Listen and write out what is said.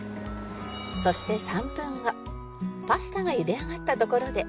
そして３分後パスタがゆで上がったところで